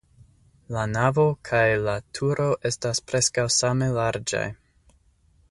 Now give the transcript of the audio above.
La navo kaj la turo estas preskaŭ same larĝaj.